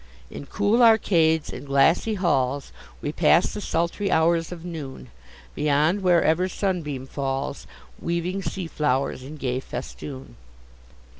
In cool arcades and glassy halls We pass the sultry hours of noon, Beyond wherever sunbeam falls, Weaving sea flowers in gay festoon.